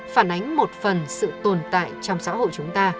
phản ánh một phần sự tồn tại trong xã hội chúng ta